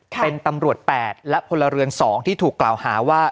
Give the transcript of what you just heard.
เป็นตำรวจ๘และพลเรือน๒ที่ถูกกล่าวหาว่า